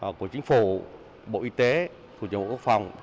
bộ y tế bộ y tế bộ y tế bộ y tế bộ y tế bộ y tế bộ y tế bộ y tế bộ y tế bộ y tế